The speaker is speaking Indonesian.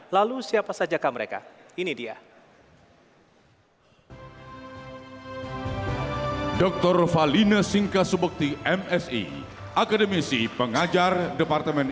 lalu siapa saja mereka ini dia dokter valina singkasubukti msi akademisi pengajar departemen